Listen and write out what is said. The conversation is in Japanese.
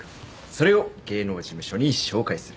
それを芸能事務所に紹介する。